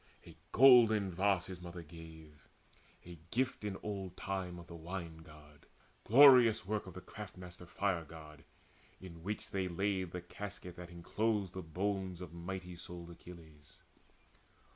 A golden vase his mother gave, the gift In old time of the Wine god, glorious work Of the craft master Fire god, in the which They laid the casket that enclosed the bones Of mighty souled Achilles.